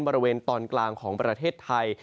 บริเวณตอนกลางของประเทศไทย